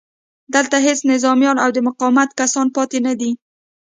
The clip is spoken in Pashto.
دلته هېڅ نظامیان او د مقاومت کسان پاتې نه دي